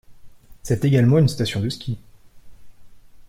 C'est également une station de ski.